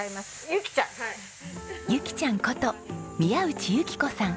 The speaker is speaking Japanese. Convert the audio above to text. ゆきちゃんこと宮内有希子さん。